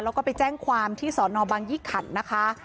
แล้วก็ไปแจ้งความที่สอนอบังยี่ขันนะคะ